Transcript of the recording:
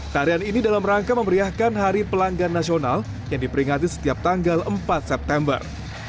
tarian ini dalam rangka memberiakan hari pelanggan nasional yang diperingati setiap tanggal empat september